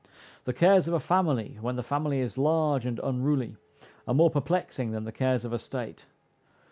The cares of a family, when the family is large and unruly, are more perplexing than the cares of a state.